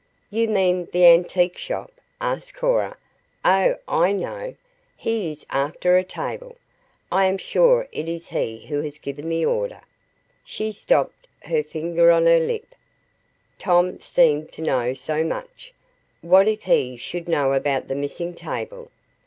"You mean the antique shop?" asked Cora. "Oh, I know. He is after a table. I am sure it is he who has given the order " She stopped her finger on her lip. Tom seemed to know so much what if he should know about the missing table?